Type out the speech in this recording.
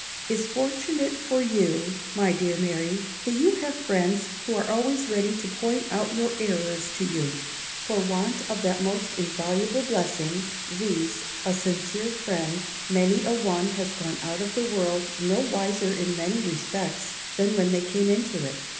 _ is fortunate for you, my dear Mary, that you have friends who are always ready to point out your errors to you. For want of that most invaluable blessing, viz. a sincere _friend, _many a one has gone out of the world, no wiser in many respects, than when they came into it.